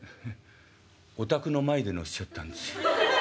「お宅の前で乗せちゃったんです。